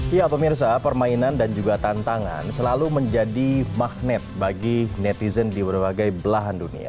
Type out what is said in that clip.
ya pemirsa permainan dan juga tantangan selalu menjadi magnet bagi netizen di berbagai belahan dunia